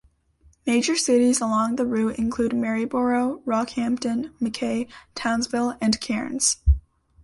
Major cities along the route include Maryborough, Rockhampton, Mackay, Townsville, and Cairns.